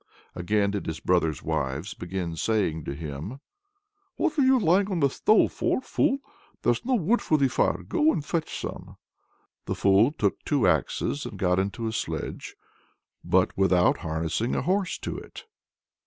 Again did his brothers' wives begin saying to him "What are you lying on the stove for, fool? there's no wood for the fire; go and fetch some." The fool took two axes and got into a sledge, but without harnessing a horse to it.